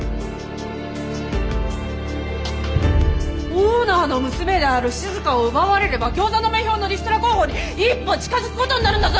オーナーの娘であるしずかを奪われれば餃子の女豹のリストラ候補に一歩近づくことになるんだぞ。